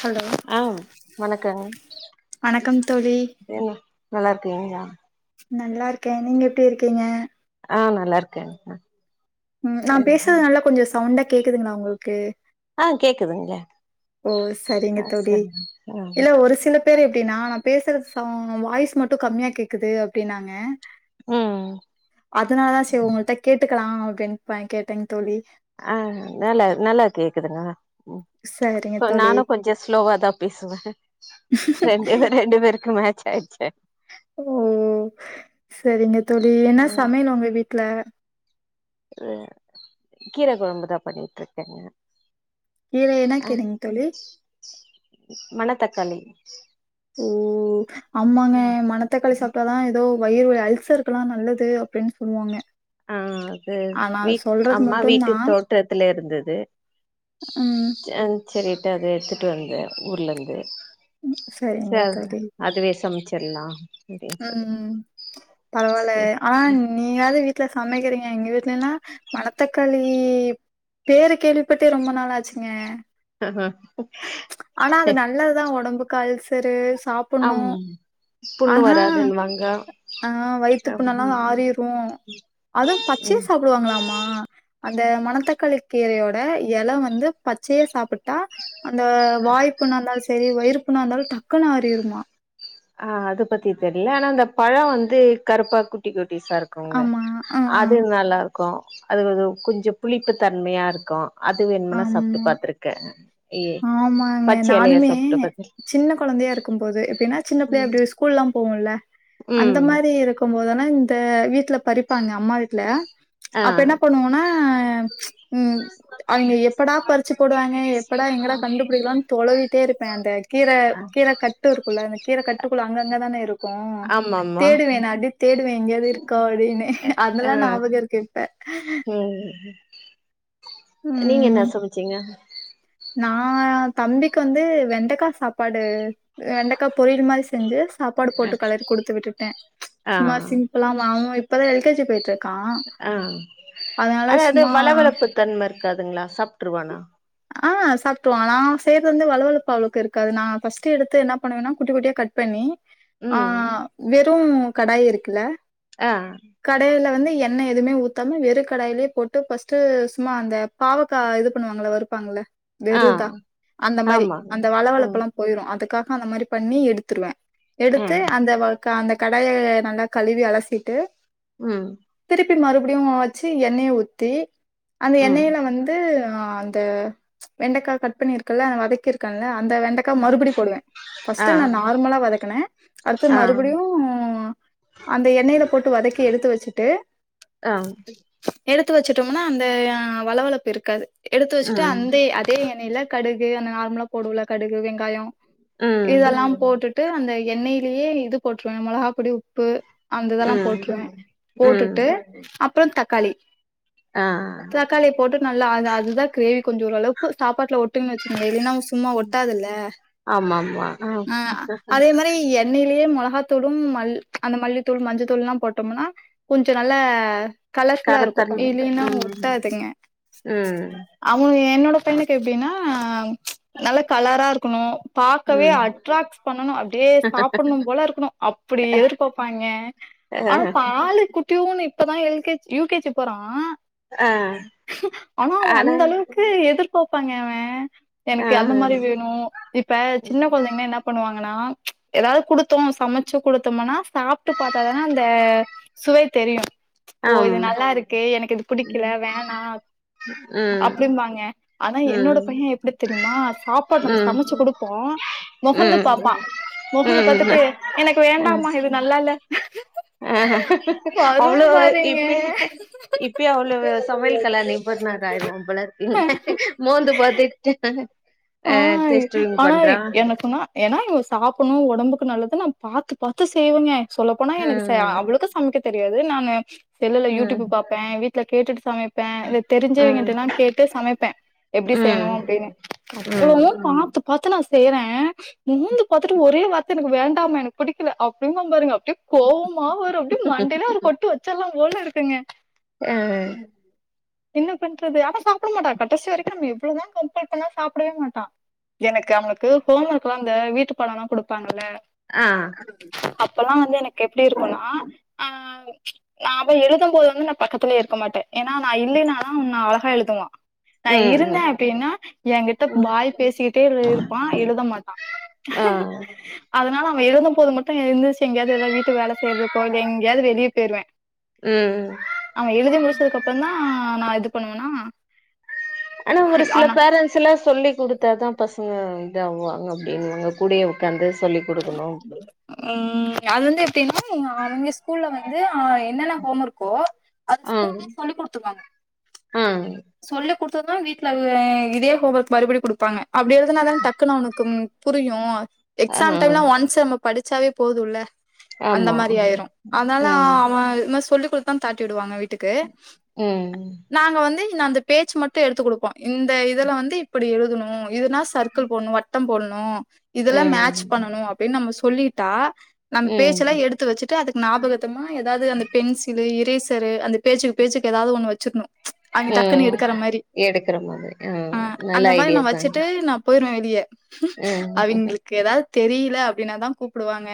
Hello ஆ வணக்கங்க வணக்கம் தோழி ஏங்க நல்லார்க்கிங்ளா நல்லார்க்கே நீங்க எப்டிருக்கிங்க ஆ நல்லார்க்கே ம் நா பேஸறது நல்லா கொஞ்சோ சவுண்டா கேக்குதுங்ளா உங்குள்க்கு ஆ கேக்குதுங்கள ஓ சரிங்க தோழி ஆ இல்ல ஒரு சிலப் பேரு எப்டின்னா நா பேசுற சவ் வாய்ஸ் மட்டு கம்மியா கேக்குது அப்டின்னாங்க ம் அதனாலதா செரி உங்கள்ட்ட கேட்டுக்கலா அப்டின் ப கேட்டங்க தோழி ஆ நல்லாரு நல்லா கேக்குதுங்க சரிங்க உ தோழி நானு கொஞ்சோ ஸ்லோவாதா பேசுவே ரெண்டு பே ரெண்டு பேருக்கு மேட்ச் ஆயிடுச்சு ம் செரிங்க தோழி என்ன சமையல் ஒங்க வீட்ல கீர குழம்புதா பண்ணிட்டு இருக்கேங்க கீர என்னங் கீரங் தோழி மண தக்காளி ஓ அம்மாங்க ம் மணத்தக்காளி சாப்ட்டாதா ஏதோ வயிறுவலி அல்சர்கள்ல்லா நல்லது அப்டின்னு சொல்லுவாங்க ஆ அது ஆனா வீ சொல்றது அம்மா மட்டுந்தா வீட்டு தோட்டத்துல இருந்தது ம் அ சரிட்டு அத எடுத்துட்டு வந்தே ஊர்ல இருந்து சரிங்க சரி தோழி அதுவே சமைச்சிடலா ம் ம் பரவாயில்ல ஆனா நீயாவது வீட்ல சமைக்கிறீங்க எங்க வீட்லெல்லா மணத்தக்காளி பேரு கேள்விப்பட்டே ரொம்ப நாள் ஆச்சுங்க ஆஹ ஆனா அது நல்லதுதா ஒடம்புகு அல்சரு சாப் ஆம் புண்ணு வராதுன்னுவாங்க ஆ வயித்து புண்ணல்லா ம் ஆறிரு அது பச்சையா சாப்டுவாங்களாமா அந்த மணத்தக்காளி கீரையோட எல வந்து பச்சையா சாப்பிட்டா அந்த வாய்ப்புன்னா இருந்தாலு செரி வயிர்ப்புனா இருந்தாலு டக்குன்ன ஆறிருமா ஆ அது பத்தி தெரில ஆனா அந்த பழ வந்து கருப்பா குட்டி குட்டி சா குங்க ஆமா ஆ அது நல்லா இருக்கு அது கொஞ்ச கொஞ்சோ புளிப்பு தன்மையா இருக்கு அது வேணுமனா சாப்ட்டு ஆமா பாத்துருக்கே எ ஆமாங்க. பச்ச எலையா நானுமே சாப்ட்டு பாத்துருக்கே சின்ன கொழந்தையா இருக்கும் போது எப்டின்னா சின்ன பிள்ளையா அப்டி ஸ்கூல் ல்லா போகுல்ல அந்த ம் மாரி இருக் இருக்கும்போதுனா இந்த வீட்ல பறிப்பாங்க அம்மா வீட்டுல ஆ அப்ப என்ன பண்ணுவோன்னா [inaudible] அவிங்க எப்படா பறிச்சு போடுவாங்க எப்படா எங்கடா கண்டுபிடிக்கலானு தொலவிட்டே இருப்பே அந்த கீர கீர கட் கட்டு இருக்குல்ல இந்த கீர கட்டுக்குள்ள அங்கங்க தான இருக்கு ஆமாமா தேடுவே நா அப்டி தேடுவே எங்கேயாவது இருக் கோ அப்டினு ஆ அதெல்லா ஞாபக இருக்கு இப்ப ம் நீங்க என்ன சமைச்சீங்க நா தம்பிக்கு வந்து வெண்டக்கா சாப்பாடு வெண்டக்கா பொரியல் மாரி செஞ்சு சாப்பாடு போட்டு களறி கொடுத்து விட்டுட்டே ஆ சும்மா சிம்பிளா வாங்கு இப்பதா எல் கே ஜி போய் ஆ ஆனா அது சும்மா வளவளப்பு தன்ம இருக்காதுங்களா சாப்ட்டுருவானா ஆ சாப்ட்ருவா நா செய்றது வந்து வளழப்பு அவ்ளுக இருக்காது நான் ஃபர்ஸ்ட் எடுத்து என்ன பண்ணுவேன்னா குட்டி குட்டியா கட் பண்ணி ஆ ம் வெறும் கடாய் இருக்குல்ல ஆ கடையில வந்து எண்ண எதுமே ஊத்தாம வெறு கடாயிலயே போட்டு ஃபர்ஸ்ட்டு சும்மா அந்த பாவக்கா இது பண்ணுவாங்கள வருப்பாங்கள ஆ வெறுதா அந்த மாரி ஆமாங்க அந்த ஆ வளவளப்பெல்லா போயிரு அதுக்காக அந்த மாரி பண்ணி எடுத்துடுவே ஆ எடுத்து அந்த வ அந்த கடாய நல்லா கழுவி அலசிட்டு ம் திருப்பி மறுபடியு வச்சு எண்ணெய ஊத்தி அந்த ம் எண்ணெயில வந்து து வெண்டக்கா கட் பண்ணியிருக்கல்ல வதக்கிருக்கன்ல அந்த வெண்டக்கா மறுபடி போடுவே ஆ பஃஸ்ட் நா நார்மலா வதக்கனே அடுத்து ஆ மறுபடியு அந்த எண்ணெயில போட்டு வதக்கி எடுத்து வச்சுட்டு அ எடுத்து வச்சட்டோம்னா அந்த வளவளப்பு இருக்காது எடுத்து வச்சுட்டு ம் அந்தே அந் எண்ணெய்ல கடுகு அந்த நார்மலா போடுவோல கடுகு வெங்காயோ ம் இதெல்லா போட்டுட்டு டு அந்த எண்ணெயிலேயே இது போட்டுருவே மொளகா பொடி உப்பு அந்த இதல்லா ம் போட்ற்றுவே ம் போட்டுட்டு அப்றோ தக்காளி ஆ தக்காளிய போட்டு நல்லா அது அதுதா கிரேவி கொஞ்சோ ஓரளவுக்கு சாப்பாட்ல டு வச்சுக்கோங்கலே இல்லனா சும்மா ஒட்டாதுல ஆமாமா ஆ அ அதே எண்ணெயிலேயே மொளகாத்தூளு மல் அந்த மல்லித்தூள் மஞ்ச தூள் எல்லா போட்டோம்னா கொஞ்ச நல்ல கலர்ஃபுல்லா கரத்தன் இருக்கு இல்லின்னா ம் ஒட்டாதுங்க ம் அவனு என்னோட பையனுக்கு எப்டின்னா ஆ ச் நல்ல கலரா இருக்கணு பாக்கவே ம் அட்ராக்ட் பண்ணணு அப்டியே சாப்பிடணு போல இருக்கணு அப்டி எதிர்பார்ப்பாங்கே ஆ ஆன பால் குட்டிநூண்டு இப்பதா L K U K G போறா ஆ ஆனா எனக்கு எதிர்பாப்பாங்கே அவ ஆ எனக்கு அது மாரி வேணு இப்ப சின்ன கொழந்தைங்கன்னா என்ன பண்ணுவாங்கன்னா ச் ஏதாவது குடுத்தோ சமைச்சு குடுத்தோம்னா சாப்ட்டு பார்த்தாதானே அந்த சுவை தெரியு ஓ ஆம் இது நல்லா இருக்கு எனக்கு இது பிடிக்கல ம் வேணா ம் அப்டிம்பாங்க ஆனா என்னோட ம் பைய எப்டி தெரியுமா சாப்பாடு நம்ம ம் சமைச்சு கொடுப்போ முஹந்து ம் பாப்பா முஹந்து ம் பாத்துட்டு எனக்கு வேண்டாமா இது நல்லால்ல அஹ அவ்ளோ இப்பயே பாருங்க இப்பயே அவ்ளோ சமையல்கல நீபர்ன ஆயிருவோ போல இருக்கு மோந்து பா்த்திட்டு ஆ ஆனா என்னக்குனா ஏன்னா இவ சாப்பிடணு உடம்புக்கு நல்லது நா பாத்து பாத்து செய்வங்க சொல்லப்போனா எனக்கு ம் அவளுக்கு சமைக்க தெரியாது நானு செல்லுல யூடியூப் ம் பா பே வீட்ல கேட்டிட்டு சமைப் பே இத தெரிஞ்சவைங்க ம் கிட்டலா கேட்டு சமைப்பே எப்டி செய்யணு ம் அப்டின்னு ம் அவ்ளோவு பாத்து பாத்து நா செய்றே மோந்து பாத்துட்டு ஒரே வார்த் எனக்கு வேண்டாமா எனக்கு பிடிக்கல அப்டி பா பாருங்க அப்டியே கோபமா வரு அப்டியே மண்டைலே ஒரு கொட்டு வச்சு வச்சிர்லா போல இருக்குங்க அ என்ன பண்றது ஆனா சாப்பிட மாட்டா கடைசி வரைக்கு நம்ம ய் எவ்ளதா கம்பல் பண்ணா சாப் சாப்பிடவே மாட்டா எனக்கு அவன்ளுக்கு ஹோம் ஒர்க் எல்லா இந்த வீட்டு பாடோல்லா கொடுப்பாங்கல்ல ஆ அப்பெல்லா வந்து எனக்கு எப்டி இருக்குனா ஆஹ் நா அவ எழுத போது வந்து நா பக்கத்திலயே இருக்க மாட்டே ஏன்னா நா இல்லைனா அழகா எழுதுவா நா ம் ம் இருந்தே அப்டின்னா என்கிட்ட ம் வாய் பேசிக்கிட்டே இருப்பா எழுத மாட்டா ஆ அதனால அவ எழுத போது மட்டு எழுந்துச்சு எங்கேயாவது எதாவது வீட்டு வேல செய்றது கோயில எங்கேயாவது வெளியே போயிருவே ம் ம் அவ எழுதி முடிச்சதுக்கு அப்பறோ தா நா இது பண்ணுவேனா ஆனா ஒரு சில பேரண்ட்ஸ் பசங்கலா சொல்லி் கொடுத்தா தா பசங்க இதா ஆவாங்க அப்டின்னுவாங்க கூடிய உட்காந்து சொல்லிக் கொடுக்கணு ம் அது வந்து எப்டின்னா அவங்கே ஸ்கூல்ல வந்து அ என்னென்ன ஹோம்ர்க்கோ அது ஆ ஸ்கூல்ல சொல்லி கொடுத்துருவாங்க ஆ சொல்லிக் குடுத்துதா வீட்ல இதே ஹோம் ஒர்க் மறுபடி குடுப்பாங்க அப்டி எழுதுனா தான டக்குனு அவனக்கு புரியு ஆ எக்ஸாம் டைம்லா ஒன்ஸ் நம்ம படிச்சாவே போதுல்ல அந்த ஆமா மாரி ஆயிரு அதனால ம் அவ இது மேதி சொல்லி் குடுத்தா தாட்டி விடுவாங்க வீட்டுக்கு ம் நாங்க வந்து அந்த பேஜ் மட்டு எடுத்து குடுப்போ இந்த இதுல வந்து இப்டி எழுதணு இதுனா சர்க்கிள் போட்ணு வட்டம் போட்ணு இதெல்லா மேட்ச ம் பண்ணணு அப்டின் நம்ம சொல்லிட்டா நம்ம ம் பேச்செல்லா எடுத் எடுத்து வச்சுட்டு அதுக்கு ஞாபகத்தமா ஏதாவ்து அந்த பென்சிலு இரேசரு அந்த பேஜு பேஜுக்கு ஏதாவது ஒண்ணு வச்சிர்ணு அவிங்க டக்குன்னு ம் எடுக்கிற மாரி எடுக்கற மாதிரி ஆ நல்ல அந்த மாரி நா ஐடியா தாங்க வச்சுட்டு நா போயிருவே வெளியே ம் அவிங்களுக்கு ஏதாவ்து தெரியல அப்டினாதா கூப்பிடுவாங்க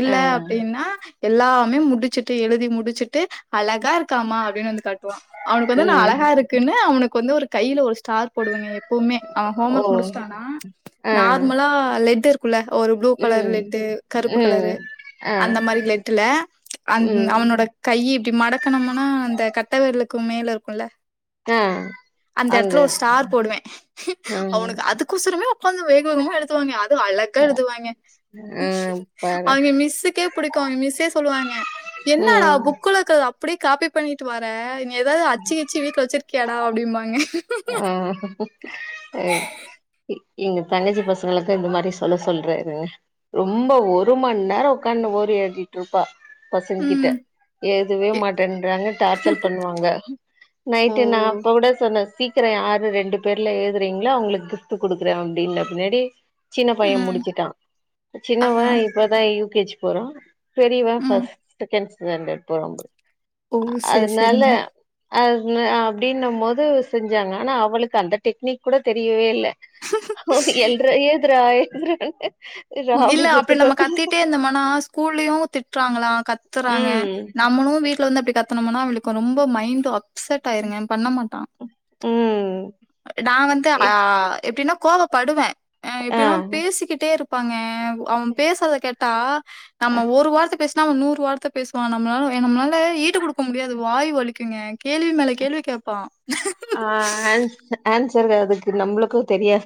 இல்ல ஆ அப்டின்னா எல்லாமே முடிச்சுட்டு எழுதி முடிச்சுட்டு அழகா இருக்காமா அப்டின் வந்து காட்டுவா அவனுக்கு வந்து நா ம் அழ இருக்குன்னு அவனுக்கு வந்து ஒரு கையில ஒரு ஸ்டார் போடுவேங்க எப் போமே அவ ஹோம் ஓ ஒர்க் முடிச்ட்டானா ஆ நார்மலா லெட்ட இருகுள்ள ஒரு ப்ளூ கலர் ம் லெட்டு கருப்பு கலரு ம் ஆ அந்த மாரி லெட்டுல அன் உ ம் அவனோட கை இப்டி மடக்னோமுனா அந்த கட்ட வெரலுக்கு மேல இருக்குல்ல ஆ அந்த அங்க எடத்துல ஒரு ஸ்டார் போடுவே ம் அவனுக்கு அதுக்கோசரமே உக்காந்து வேக வேகமா எழுதுவாங்க அ து அழகா எழுதுவாங்க ஆ பர அவிங்க மிஸ்ஸுக்கே பிடிக்கு மிஸ்ஸே சொல்லுவாங்க என்னடா ம் புக்குல இருக்றது அப்டியே காப்பி பண்ணிட்டு வார நீ ஏதாவ்து அச்சு கிச்சி வீட்ல வச்சிருக்யாடா அப்டிம்பாங்க ஆ எ எங்க தங்கச்சி பசங்களுக்கு இந்த மாரி சொல்ல சொல்றே இருங்க ரொம்ப ஒரு மண் நேரோ உக்காண் ஓர் ஏடிட்டு இருப்பா பசங்க ம் கிட்ட எதுவே எ மாட்டேன்றாங்க டார்ச்சல் பண்வாங்க ஓ நைட்டு நா அப்ப கூட சொன்னே சீக்ரோ யாரு ரெண்டு பேர்ல எழுதுறீங்ளா அவங்ளுக்கு துட்டு குடுக்குறே அப்டின்னே பின்னாடி சின்ன பைய ம் முடிச்சுட்டா ஆ சின்னவா இப்பதா யூ கே ஜி போறா பெரியவே ம் ஃபர்ஸ்ட் செகண்ட் ஸ்டாண்டர்ட் போறா போலுக் ஓ செரி செரிங்க அவ்ன அப்டின்னும் போது செஞ்சாங்க ஆனா அவளுக்கு அந்த டெக்னிக் கூட தெரியவே இல்ல ஓ எழ்றா எழுதுறா எழுதுறாங்க ம் இல்ல அப்ப நம்ம கத்திட்டே இருந்தோமனாஸ் கூல்லயு திட்றாங்களா கத்துறாங்க ம் நம்மளு வீட் ல வந்து அப்டி கத்தனும்னா அவளுக்கு ரொம்ப மைண்டு அப்செட் ஆயிருங்க பண்ண மாட்டா ம் நா வந்து எ அ எப்டின்னா கோவ படுவே அ ஆ எப்டின்னா பேசிக்கிட்டே இருப்பாங்க அவ பேசுறத கேட்டா நம்ம ஒரு வார்த்த பேஸ் நம்ம நூறு வார்த்த பேசுவா நம்ளால எ நம்ளால ஈடு குடுக்க முடியாது வாய் வலிக்குங்க கேள்வி மேல கேள்வி கேப் பா ஆ ஆன் ஆன்சரு அதுக்கு நம்ளுக்கு தெரியா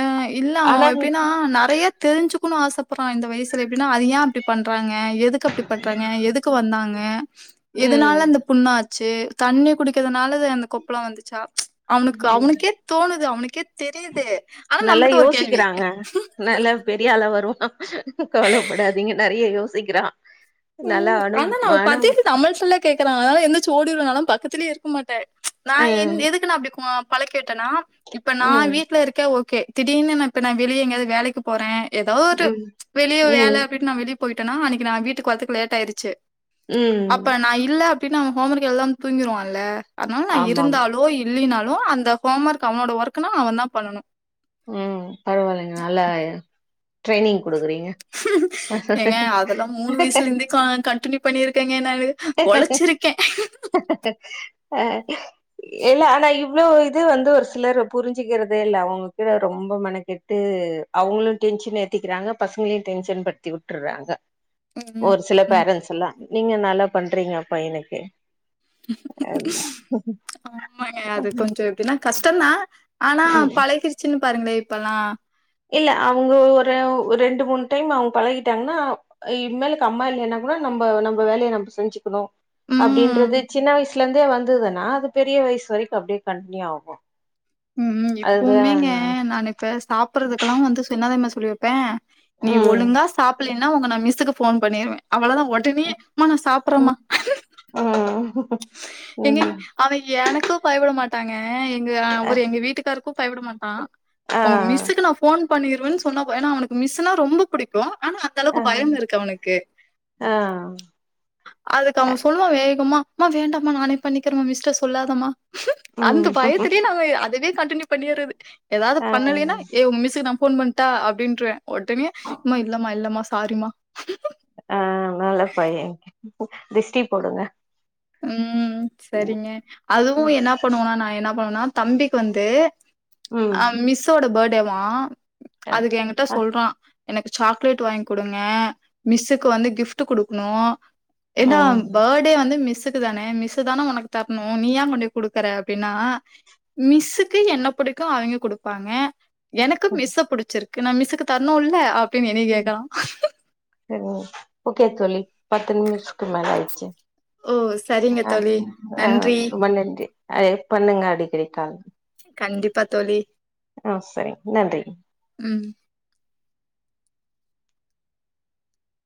அ இல்ல அவ எப்டின்னா ஆ நறைய தெரிஞ்சுக்குணு ஆசப்பற்றா இந்த வய்சுல எப்டினா அது ஏ அப்டி பண்றாங்க எதுக் அப்டி பண்றாங்க எதுக்கு வந்தாங்க எதுனால ம் அந்த புண்ணாச் சே தண்ணி குடிக்கற்துனால அந்த கொப்பள வந்துச்சா அவ்னுக் ம் அவுனுக்கே தோணுது அவனுக்கே தெரியுது ஆனா நல்லா நம்மகிட்ட ஒரு யோசிக்கிறாங்க கேள்வி நல்லா பெரியளா வருவா கவுலப்படாதீங்க நறிய யோசிக்கிறா நல்லா ம் அனு ஆனா நாம அனு பாத்தீகு தமிழ் சொல்லே கேக்குறாங்க அத்னால எந்துர்ச்சு ஓடிருவ நாலா பக்கத்துலயே இருக்க மாட்டே நா எந் ம் எதுக்கு நா அப்டி கோ பழக்கி உட்டனா இப்ப நா ம் வீட்ல இருக்க ஓகே திடீன்னு நா இப்ப நா வெளிய எங்யாவ்து வேலைக்கு போறே எதாவ்து ஒரு ம் வெளிய வேல ம் அப்டின் நா வெளிய போயிட்டன்னா அன்னக்கு நா வீட்டுக் வரதுக்கு லேட் ஆயிர்ச்சு ம் அப்ப நா இல்ல அப்டின் அவ ஹோம் ஒர்க் எழ்தாமா தூங்கிருவான்ல அத்னால நா ஆமாம் இருந்தாலோ இல் இல்லினாலு அந்த ஹோம் ஒர்க் அவனோட ஒர்க்க்கு நா அவந்தா பண்ணனு ம் பரவால்லைங்க நல்ல ட்ரைனிங் குடுக்குறீங்க ஏங்க அதல்லா மூணு வய்சுலேந்தே கான் கன்ட்டின்யூ பண்ணிருக்கேங்க நானு ஒழச்சிருக்கே அ இல்ல ஆனா இவ்ளோ இது வந்து ஒரு சிலர் புரிஞ்சுக்கிறதே இல்ல அவுங்க கீழ ரொம்போ மெனக்கெட் டு அவுங்களு டென்ஷன் ஏத்திக்கிறாங்க பசங்ளுயு டென்ஷன் பட்த்தி உட்டுற்றாங்க ஒரு சில ம் பேரன்ஸ் எல்லா நீங்க நல்லா பண்றீங்க பைனுக்கு ஆமாங்க அது கொஞ்சோ எப்டினா கஸ்ட்டோந்தா ஆனா பழகிர்ச்சுன்னு பாருங்ளே இப்பல்லா இல்ல அவுங்கோ ஒரு ஒர் ரெண்டு மூணு டைம் அவுங்க பழகிட்டாங்ன்னா அ இன் மேலுக்கு அம்மா இல்லையன்னா கூட நம்ம நம்ம வேலய நம்ப செஞ்சுக்குணு ம். அப்டின்றது சின்ன வய்சுலந்தே வந்ததுன்னா அது பெரிய வய்சு வரக்கு அப்டே கண்ட்ன்யூ ஆகு ம் ம் இப்போமேங்க அதுதா நான் இப்ப சாப்புறதுக்கலா வந்து சோ என்னா தெமர்மா சொல்லி வெப்பே நீ ம் ஒழுங்க சாப்புல்லேனா ஒங்க நா மிஸ்ஸுக்கு ஃபோன் பண்ணிருவே அவ்வளதா ஒட் டுனே ம் மா நா சாப்புறம்மா எங்கே ம் அவ எனக்கு பயபுட மாட்டாங்க எங்க அவரு எங்க வீட்டுக்காருக்கு பயப்புட மாட்டா ஆ ஒங்க மிஸ்க்கு நா ஃபோன் பண்ணிருவன் சொன்ன போத் ஏன்னா அவனுக்கு மிஸ்னா ரொம்ப புடிக்கும் ஆனா அந்தளக்கு ஆ பயம் இருக்கு அவனுக்கு ஆ அதுக்கு அவ சொல்லுவா வேகமா மா வேண்டாம நானே பண்ணிக்கிறமா மிஸ்ட்ட சொல்லாதமா அந்த ம் பயத்துலே நாங்க அதவே கண்டின்யூ பண்ணியறது எதாவ்து ஆ பண்ணலேனா ஏ உங்க மிஸ்ஸுக் நா ஃபோன் பண்ட்டா அப்டினருவே ஒடனே அம்மா இல்லமா இல்லமா சாரிமா அ நல்ல பைய திஷ்டி போடுங்க ம் சரிங்க அதுவு என்னா பண்ணுவனா நா என்னா பண்ணுவனா தம்பிக் வந்து அ ம் மிஸ்ஸோட பர்த்டேவா ஆ அதுக்கு ஏங்கிட்ட ஆ சொல்றா எனக்கு சாக்லேட் வாங் குடுங்க மிஸ்ஸுக்கு வந்து கிஃப்ட் குடுக்ணு ஏன்டா ம் பர்த்டே வந்து மிஸ்ஸுக்கு தானே மிஸ்ஸு தான ஒனக் தர்ணு நீ ஏ கொண்டே குடுக்குற அப்டின்னா மிஸ்ஸுக்கு என்ன புடிக்கு அவிங்க குடுப்பாங்க எனக்கு மிஸ்ஸ புடிச்சிருக்கு நா மிஸுக்கு தர்ணுல்ல அப்டின் என்னை கேக்குறா சேர் ஒ ஓகே தோழி பத்து நிமிஷ்க்கு மேல ஆய்ச்சு ஓ சர் அ அ அ ரொம்ப நன்றி அதே பண்ணுங்க அடிக்கடி கால் கண்டிப்பா தோழி. அ சரிங் நன்றி ம்